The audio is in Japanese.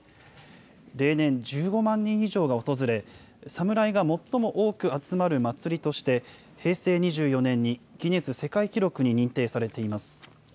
例年、１５万人以上が訪れ、侍が最も多く集まる祭りとして、平成２４年に、ギネス世界記録に認定されています。